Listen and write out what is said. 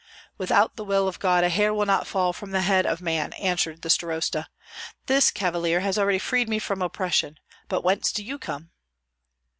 "Without the will of God a hair will not fall from the head of a man," answered the starosta. "This cavalier has already freed me from oppression. But whence do you come?"